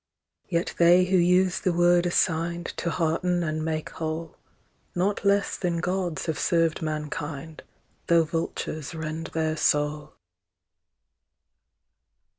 Yet they who use the Word assigned, To hearten and make whole, Not less than Gods have served mankind, Though vultures rend their soul.